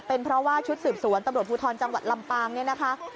เป็นเพราะว่าชุดสืบสวนตำรวจภูทรจังหวัดลำปางเนี่ยนะคะ